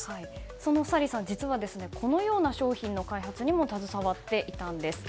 そのサリーさん、実はこのような商品の開発にも携わっていたんです。